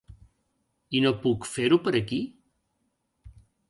I no puc fer-ho per aquí?